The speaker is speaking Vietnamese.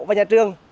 ở nhà trường